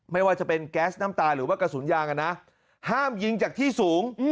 ไม่ว่าจะเป็นแก๊สน้ำตาหรือว่ากระสุนยางนะห้ามยิงจากที่สูง